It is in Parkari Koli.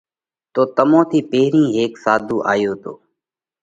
تو تمون ٿِي پيرهين ھيڪ ساڌو آيو تو۔